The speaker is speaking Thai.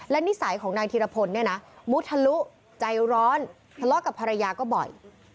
และนิสัยของนายธีรพลเนี่ยนะมุทะลุใจร้อนทะเลาะกับภรรยาก็บ่อย